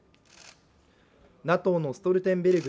ＮＡＴＯのストルテンベルグ